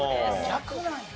逆なんや。